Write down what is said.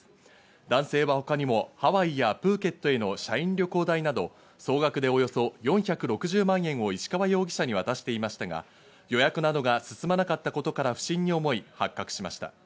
男性は他にもハワイやプーケットへの社員旅行代など総額でおよそ４６０万円を石川容疑者に渡していましたが、予約などが進まなかったことから不審に思い発覚しました。